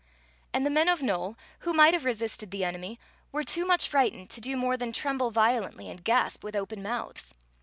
And the men of Nole, who might have resisted the enemy, were too much frightened to do more than tremble violendy and gasp with open mouths.